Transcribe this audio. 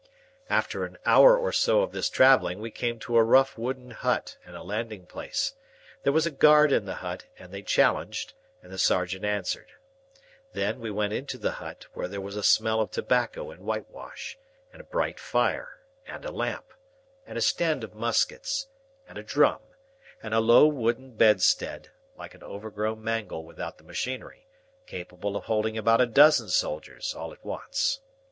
After an hour or so of this travelling, we came to a rough wooden hut and a landing place. There was a guard in the hut, and they challenged, and the sergeant answered. Then, we went into the hut, where there was a smell of tobacco and whitewash, and a bright fire, and a lamp, and a stand of muskets, and a drum, and a low wooden bedstead, like an overgrown mangle without the machinery, capable of holding about a dozen soldiers all at once.